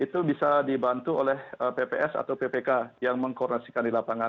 itu bisa dibantu oleh pps atau ppk yang mengkoordinasikan di lapangan